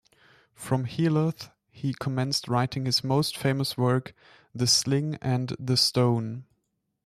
From Healaugh he commenced writing his most famous work "The Sling and the Stone".